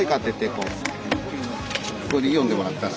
これで読んでもらったら。